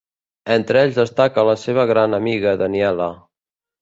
Entre ells destaca la seva gran amiga Daniela.